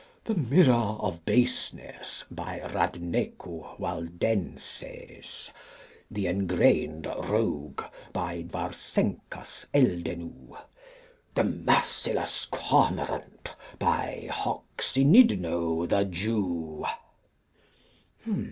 The Mirror of Baseness, by Radnecu Waldenses. The Engrained Rogue, by Dwarsencas Eldenu. The Merciless Cormorant, by Hoxinidno the Jew.